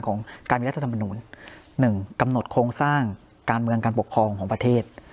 ของการมีรัฐธรรมนูล๑กำหนดโครงสร้างการเมืองการปกครองของประเทศ